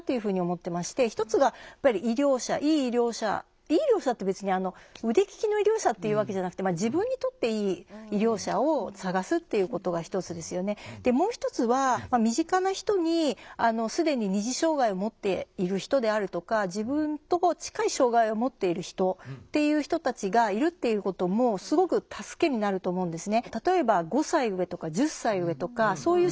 「いい医療者」って別に腕利きの医療者っていうわけじゃなくてでもう一つは身近な人に既に二次障害をもっている人であるとか自分と近い障害をもっている人っていう人たちがいるっていうこともすごく助けになると思うんですね。